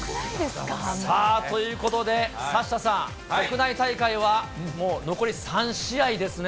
ということでサッシャさん、国内大会はもう、残り３試合ですね。